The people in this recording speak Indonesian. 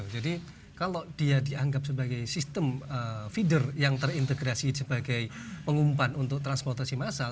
jadi kalau dia dianggap sebagai sistem feeder yang terintegrasi sebagai pengumpan untuk transportasi massal